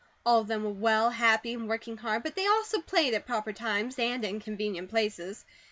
All of them were well, happy, and working hard; but they also played at proper times, and in convenient places.